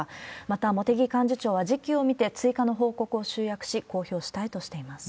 また、茂木幹事長は、時機を見て追加の報告を集約し、公表したいとしています。